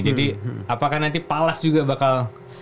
jadi apakah nanti palas juga bakal